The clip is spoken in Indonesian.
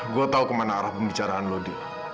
gue tau kemana arah pembicaraan lo d